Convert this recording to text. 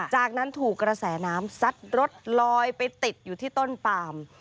จากนั้นถูกกระแสน้ำซัดรถลอยไปติดอยู่ที่ต้นปาม